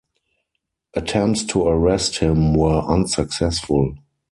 Attempts to arrest him were unsuccessful.